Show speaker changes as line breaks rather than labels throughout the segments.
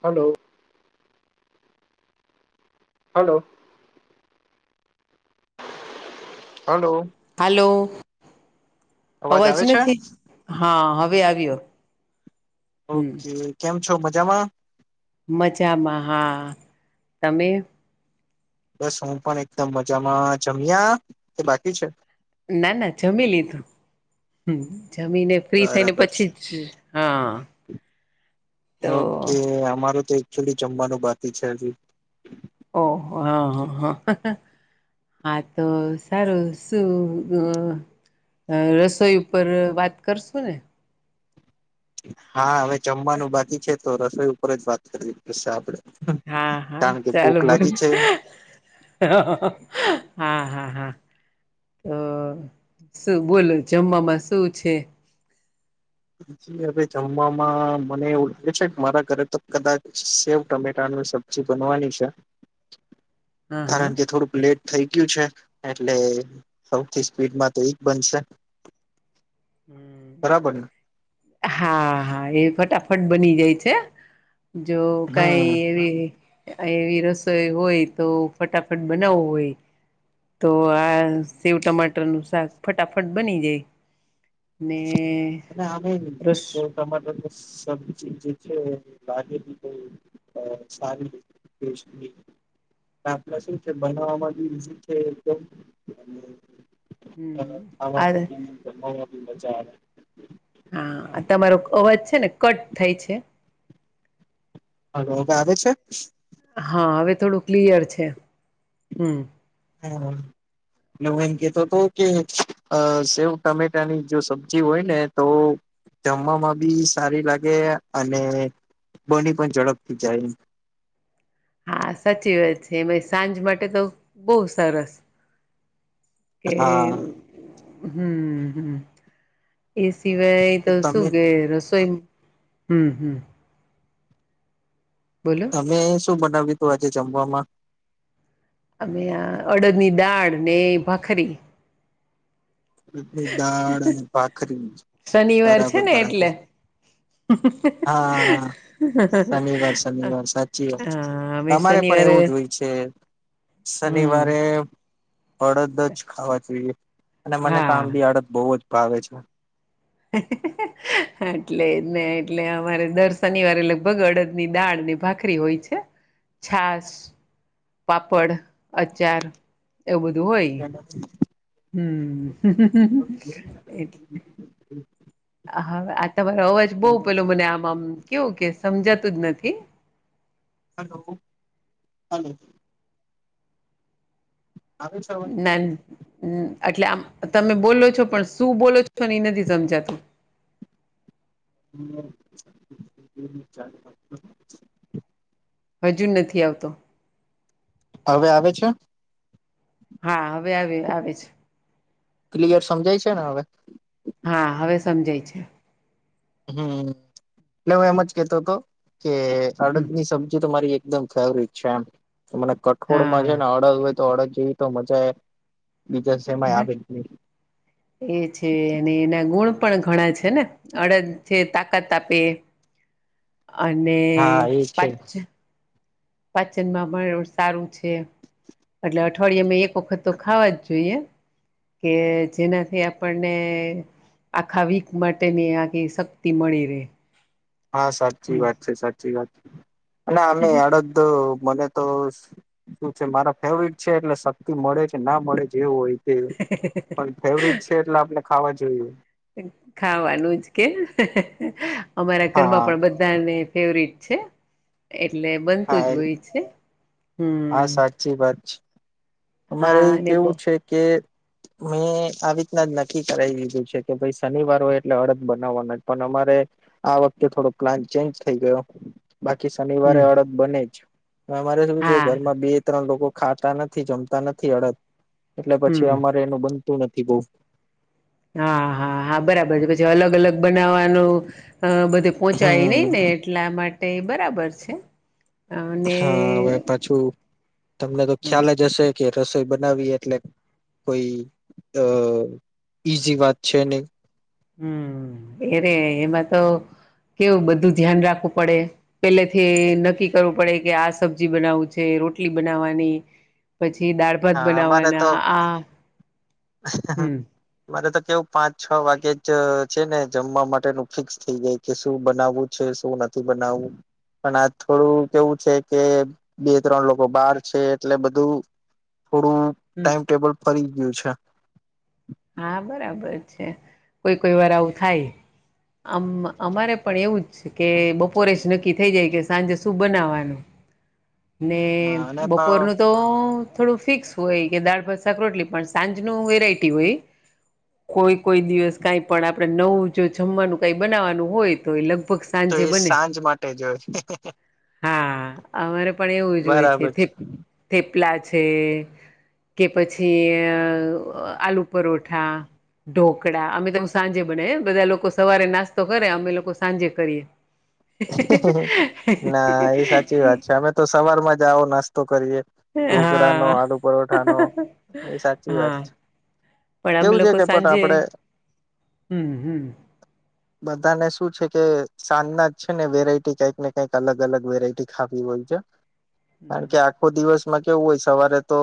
Hello. Hello. Hello
hello. અવાજ
આવે છે
નથી હા હવે આવ્યો હમ
ઓકે કેમ છો મજામાં?
મજામાં હા તમે?
બસ હું પણ એકદમ મજામાં જમ્યા કે બાકી છે?
ના ના જમી લીધું હુ જમીને ફ્રી થઈને
બરાબર છે
પછી જ હા તો
ઓકે અમારેતો એકચુલી જમવાનું બાકી છે, હજી
ઓ હ હ હ હા તો સારું શું અ રસોઈ ઉપર વાત કરશું ને?
હા હવે જમવાનું બાકી છે, તો રસોઈ ઉપર જ વાત કરી [unintelligible] આપડે
હા હા
કારણ કે
ચાલો
ભૂખ લાગી છે
[unintelligible] હા હા હા તો અ શું બોલો જમવામાં શું છે?
હવે જમવામાં મને એવું લાગે છે, મારા ઘરે તો કદાચ સેવ ટમેટા સબ્જી બનવાની છે,
હા હા
કારણ કે થોડુંક લેટ થઈ ગયું છે. એટલે સૌથી સ્પીડ માંતો એ જ બનશે
હમ
બરાબરને?
હા હા એ ફટાફટ બની જાય છે. જો કઈ
હમ
એવી એવી રસોઈ હોય તો ફટાફટ બનાવવો હોય તો આ સેવ ટમાટરનું શાક ફટાફટ બની જાય ને
[inaudible]
રસ
સબજી જે છે, લાગેલી સારી [unintelligible] આપડા શું છે, બનાવામાં બી ઈઝી છે, એકદમ અ
હમ આ
ખાવામા બી જમવામા બી મજા આવે
હા તમારો અવાજ છે, ને કટ થાય છે.
હાલો [unintelligible] આવે છે?
હા હવે થોડું ક્લિયર છે, હમ
હા. હું એમ કેતોતો કે અ સેવ ટામેટાની જો સબ્જી હોય ને તો જમવામાં બી સારી લા ગે અને બની પણ ઝડપથી જાય
હા સાચી વાત છે, એમાંય સાંજ માટે તો બોવ સરસ કે
હા
હમ હમ એ સિવાય તો શું
તમે
કે રસોઈ હમ હમ બોલો
તમે શું બનાવ્યું તું આજે જમવામાં
અમે અ અડદની દાળ ને ભખરી
એટલી દાળ અને ભાખરી
શનિવાર છે
બરાબર
ને
બરાબર
એટલે
હા શનિવાર શનિવાર સાચી વાત
હા અમે
તમા રે પણ
શનિવારે
એવું જ હોય છે
હમ
શનિવારે અડદ જ ખાવા જોઈએ અને મને તો
હા
આંબી અડદ બહુ જ ભાવે છે
એટલે ને એટલે અમારે દર શનિવારે લગભગ અડદ ની દાળ ભાખરી હોય છે છાસ પાપડ અચાર એવું બધું હોય હમ એટલે હા આ તમારો અવાજ બહુ પેલો મને આમાંમ કેવું કે સમજાતું જ નથી
હલો હલો આવ્યો છે અવાજ
હમ એટલે આમ તમે બોલો છો પણ શું બોલો છોને એ નથી સમજાતું
[inaudible] [inaudible] હ [unintelligible]
હજુ નથી આવતો
હવે આવે છે
હા હવે આવી આવે છે
ક્લિયર સમજાય છે ને હવે
હા હવે સમજાય છે
હમ એટલે હું એમ જ કેતો હતો કે અડદની સબ્જી તો મારી એકમ ફેવરટ છે એમ મને કઠોળમાં છે
હા
ને અડદ હોય તો અડદ જેવી તો મજા એ
એ છે અને એના ગુણ પણ ઘણા છે ને અડદ છે તાકાત આપે અને
હા એ છે
પછ પાચન માં પણ સારું છે એટલે અઠવાડિયે મેં એક વખત તો ખાવા જ જોઈએ કે જેનાથી આપણને આખા વીક માટેની આખી શક્તિ મળી રહે
હા સાચી
હમ
વાત છે સાચી વાત છે અને અમે અડધ મને તો શું છે મારા ફેવરિટ છે એટલે શક્તિ મળે છે ના મળે જેવું હોય પણ ફેવટ છે એટલે આપણે ખાવા જોઈએ
ખાવાનું જ કે અમારા ઘરમાં
હા
પણ બધાને ફેવરિટ છે એ એટલે બનતું જ
હા
હોય છે
હા
હમ
સાચી વાત છે અમારે
હા
એ
અને
કેવું
બ
છે કે મેં આવી રીતના જ નક્કી કરાવી દીધું છે કે ભાઈ શનિવાર હોય એટલે અડદ બનાવવાનું જ પણ અમારે આ વખતે થોડો પ્લાન ચેન્જ થઈ ગયો બાકી શનિવારે
હમ
અડદ બને જ અમારે શું છે
હા
ઘરમાં બે ત્રણ લોકો ખાતા નથી જમતા જમતાં નથી અડદ એટલે
હમ
પછી અમારે એનું બનતું નથી બહુ
હા હા હા બરાબર છે પછી અલગ અલગ બનાવા બધે પહોંચાય નહી
હમ
ને એટલા માટે બ
હા હવે પાછું તમને તો
હમ
ખ્યાલ જ હશે કે રસોઈ બનાવીએ એટલે કોઈ અ ઈઝી વાત છે નહી
હમ એ રે એમાં તો કેવું બધું ધ્યાન રાખવું પડે પેલેથી નક્કી કરવું પડે કે આ સબ્જી બનાવું છે રોટલી બનાવાની પછી દાળ ભાત
હા અમારે તો
બનાવવાના આ હમ
મારે તો કેવું પાંચ છ વાગે જ છે. ને જમવા માટેનું ફિક્સ થઈ ગયું કે શું બનાવવું છે શું નથી. શું બનાવું? પણ આ થોડું કેવું છે કે બે ત્રણ લોકો બહાર છે એટલે બધું થોડું
હમ
ટાઈમટેબલ ફરી ગયું છે.
હા બરાબર છે કોઈ કોઈ વાર આવું થાય. અમારે અમારે પણ એવું જ છે કે બપોરે જ નક્કી થઇ જાય કે સાંજે શું બનાવાનું
[inaudible]
ને
હા અને પણ
બપોરનું તો થોડું ફિક્સ હોય કે દાળ, ભાત, શાક, રોટલી પણ સાંજના વેરાયટી હોય. કોઈ કોઈ દિવસ કઈ પણ આપડે નવું જો જમવાનું કઈ બનાવાનું હોય તો એ લગ [inaudible]
તો એ સાંજ માટે જ હોય
હા અમારે પણ એવું જ હોય છે થેપલા છે કે પછી આલુ પરોઠા ઢોકળા અમે તો સાંજે બને બધા લોકો સવારે નાસ્તો કરે અમે લોકો સાંજે કરીએ.
ના એ સાચી વાત છે અમે તો સવારમાં જાઓ નાસ્તો કરીએ. ઢોકળાનો,
હા
આલું પરોઠાનો એ સાચી વાત
હા
છે.
પણ અમે
કેવું છે
લોકો
કે પટ [unintelligible]
સાંજે
આપડે
હમ હમ
બધાને શું કે સાંજના જ છે ને વેરાયટી કઈક ને કઈક અલગ અલગ વેરાયટી ખાવી હોય છે.
હમ
કારણ કે આખો દિવસ કેવું હોય સવારે તો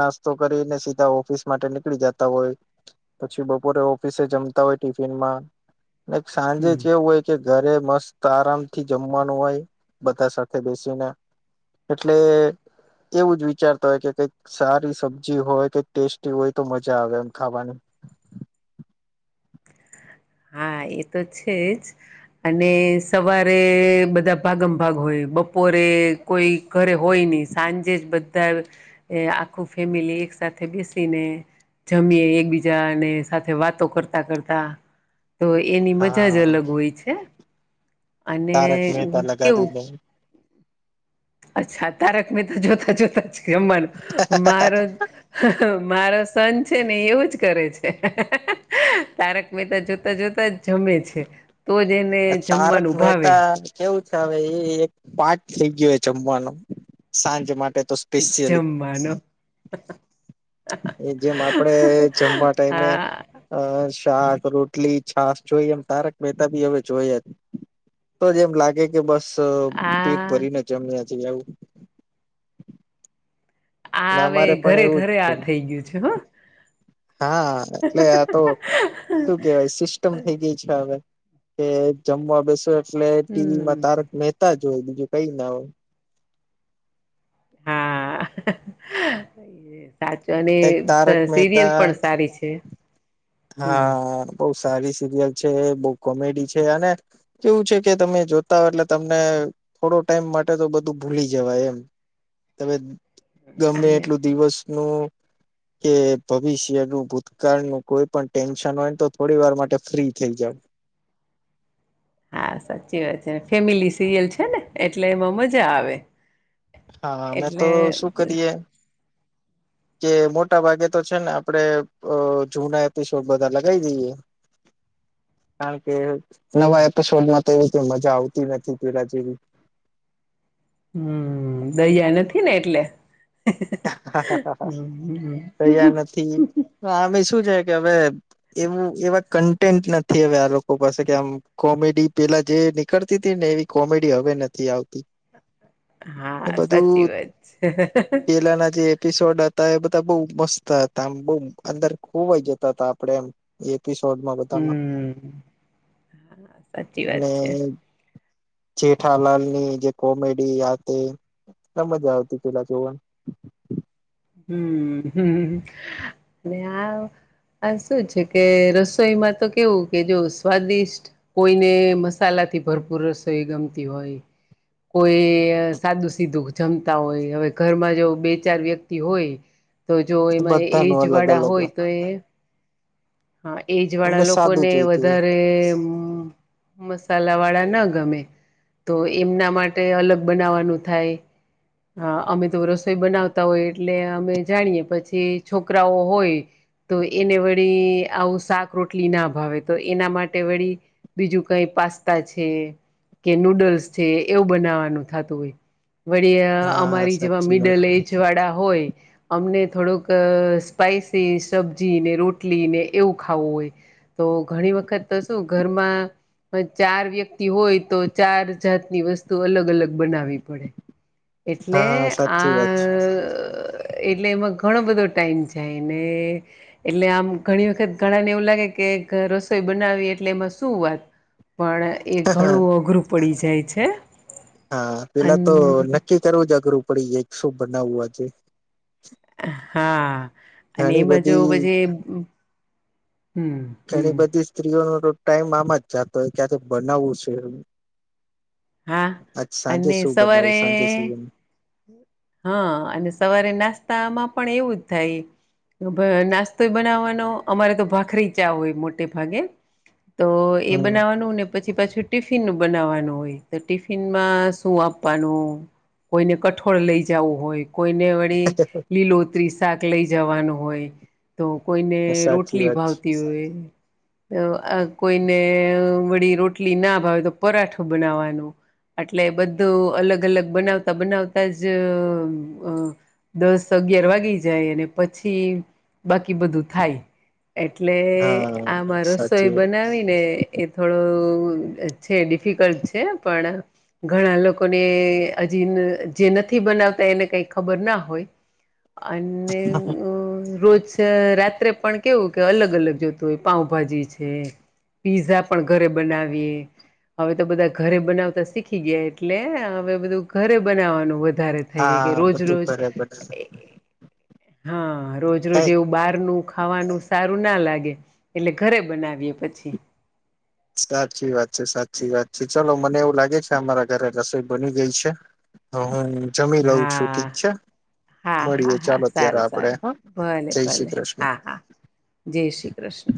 નાસ્તો કરીને સીધા ઓફિસ માટે નીકળી જતા હોય. પછી બપોરે ઓફિસે જમતા હોય ટિફિનમાં. સાંજે
હમ
જવું હોય કે ઘરે મસ્ત આરામ થી જમવાનું હોય બધા સાથે બેસીને એટલે એવું જ વિચારતા હોય કે કઈક સારી સબ્જી હોય કઈક ટેસ્ટી હોય તો મજા આવે એમ ખાવાની [inaudible]
હા એ તો છે જ અને સવારે બધા ભાગમ ભાગ હોય. બપોરે કોઈ ઘરે હોય નહી સાંજે જ બધા એ આખું ફેમિલી એક સાથથે બેસીને જમીએ એકબીજાને સાથે વાતો કરતા કરતા તો એની મજા જ
હા
અલગ હોય છે અને
તારક મહેતા લગાવી
કેવું
દે
અચ્છા તારક મહેતા જોતા જોતા જ જમવાનું મારો મારો સન છે ને એવું જ કરે છે તારક મહેતા જોતા જોતા જમે જમે છે તો જને
તારક
જમવાનું ભાવે.
મહેતા કેવું હવે એ એક પાઠ થઈ ગયો જમવાનો સાંજ માટે તો સ્પેશિયલી
જમવાનો
એ જેમ આપડે જમવા ટાઈમે
આ
અ [unintelligible] શાક, રોટલી, છાસ જોઈએ એમ તારક મહેતા બી હવે જોઈએ જ. તોજ એમ લાગે કે બસ પેટ
આ
ભરીને ચમ [inaudible] ત્યાથી આવું.
હ હવે ઘરે ઘરે
છે
આ થઈ ગયું છે હ.
હા એટલે આ તો શું કેવાય સિસ્ટમ થઈ ગઈ છે હવે. કે જમવા બેસો એટલે ટીવીમાં
હમ
તારક મહેતા જ હોય બીજું કઈ ના હોય.
હા. સાચો અને
એક તારક
સિરિયલ
મહેતા
પણ સારી છે. હમ
હા. [inaudible] સારી સિરિયલ છે બહુ કોમેડી છે અને કેવું છે કે તમે જોતા હો એટલે તમને થોડો ટાઈમ માટે તો બધું ભૂલી જવાય એમ ગમે
અને
એટલું દિવસ નું કે ભવિષ્યનું ભૂતકાળનું કોઈ પણ ટેન્શન હોય ને તો થોડી વાર માટે ફ્રી થઈ જાવ.
હા સાચી વાત છે ફેમિલી સિરિયલ છે ને એટલે એમાં મજા આવે.
હા, અમે તો
એટલે
શું કરીએ કે મોટા ભાગે તો છેને, આપડે જૂના એપિસોડ બધા લગાવી દઈએ કારણ કે નવા એપિસોડમા, તો એવી મજા આવતી નથી પેલા જેવી.
હમ, દયા નથી. ને એટલે હમ
તૈયાર નથી આમ શું છે, કે હવે એવું એવા કન્ટેન્ટ નથી. હવે આ લોકો પાસે કે આમ કોમેડી પેલા જે નીકળતી હતી ને એ કોમેડી હવે નથી, આવતી ને
હા, સાચી
બધું
વાત છે.
પેલાના જે એપિસોડ હતા, એ બધા બઉ મસ્ત હતા, આમ બહ અંદર ખોવાઈ જતા, હતા આપડે એમ એસોમાં બતાાના
હમ સાચી
અને
વાત છે.
જેઠાલાલ, ની જે કોમેડી આ તે એ મજા આવતી પેલા જોવા.
હમ હ અને આ હા શું છે, કે રસોઈમાં તો કેવું કે, જો સ્વાદિષ્ટ કોઈને મસાલા થી ભરપૂર રસોઈ ગમતી હોય. કોઈ સાદું સીધુ જમતા હોય, હવે ઘરમાં જો બે ચાર વ્યક્તિ હોય, તો જો એમાં
બધા ન
એજ
અલગ
વાળા
અલગ
હોય, તો એ હા, એજ
એમને
વાળા લોકો
સાદું
ને
જોઈતું
વધારે મ. મસાલા વાળા ના ગમે તો એમના માટે અલગ બનાવાનું થાય. હા, અમે તો રસોઈ, બનાવતા હોય. એટલે અમે જાણીએે પછી, છોકરાઓ હોય તો એને વળી આવુ શાક રોટલીના ભાવે, તો એના માટે વળી બીજું કઈ. પાસ્તા છે, કે નૂડલ્સ છે, એવું બનાવાનું થતું હોય. વળી
હા
અમારી જેવા
સાચી વાત
મિડલ એજ વાળા હોય, અમને થોડુંક સ્પાઈસી સબ્જી ને રોટલી ને એવું ખાવું હોય. તો ઘણી વખત શું ઘરમા પણ ચાર વ્યક્તિ હોય, તો ચાર જાતની વસ્તુ અલગ અલગ બનાવી પડે એટલે
હા સાચી વાત છે.
આ એટલે એમાં ઘણો બધો ટાઈમ જાય, ને એટલે આમ ઘણી વખત ઘણાને એવું લાગે કે રસોઈ બનાવી એટલે, એમાં શું વાત પણ એ ઘણુ અઘરુ પડી જાય છે.
હા,
અન
પેલા તો નક્કી કરવું જ અઘરું પડી જ શું બનાવવું આજે
હા, અને
ઘણી
એમા જો પ
બધી
જે
ઘણી બધી સ્ત્રીઓનો, તો ટાઈમ આમા જ જાતો હોય, ક્યાં તો બનાવવું છે એ
હા, અને
બનાવું
સવારે
સાંજે શું બનાવું.
હા, અને સવારે નાસ્તામાં પણ એવું જ થાય નાસ્તો બનાવવાનો અમારે તો ભાખરી ચા હોય મોટે ભાગે તો એ
હમ
બનાવવાનું ને પછી પાછું ટિફિન નું બનાવવાનું હોય. તો ટિફિનમાં શું આપવાનું કોઈને કઠોળ લઈ, જવું હોય કોઈને વળી લીલોતરી શાક લઈ, જવાનું હોય. તો કોઈને
સાચી
રોટલી
વાત છે
ભાવતી હોય. કોઈને વળી રોટલીના ભાવે, તો પરાઠું બનાવવાનું એટલે બધું અલગ, અલગ બનાવતા બનાવતા જ દસ અગિયાર વાગી જાય, અને પછી બાકી બધું થાય એટલે
હા
આમા રસોઈ,
સાચી વાત
બનાવી ને એ થોડો છે, ડીફિકલ્ટ છે. પણ ઘણા લોકોને હજી જે નથી, બનાવતા એને કઈ ખબરના હોય. અને રોજ અ રાત્રે પણ કેવું કે અલગ અલગ જોતું હોય પાઉભાજી છે પીઝા પણ ઘરે બનાવીએ હવે તો બધા ઘરે બનાવતા શીખી ગયા એટલે હવે બધું ઘરે બનાવવાનું વધારે વધારે થઈ જાય કે
હા
રોજ
બધું
રોજ
ઘરે બને
હા રોજ રોજ
કઈ
એવું બહારનું ખાવાનું સારું ના લાગે એટલે ઘરે બનાવીએ પછી
સાચી વાત છે સાચી વાત છે ચલો મને એવું લાગે છે અમારા ઘરે રસોઈ બની ગઈ છે હું જમી લઉં છું
હા
ઠીક છે
હા હા
મળીએ
હા
ચાલો ત્યારે
સારું
આપડે
સારું
હા
ભલે
જય શ્રી
ભલે
કૃષ્ણ
હા હા જય શ્રી કૃષ્ણ